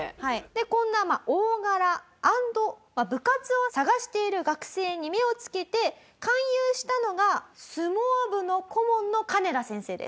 こんな大柄＆部活を探している学生に目をつけて勧誘したのが相撲部の顧問のカネダ先生です。